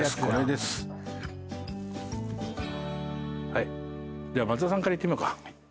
では松田さんからいってみようか。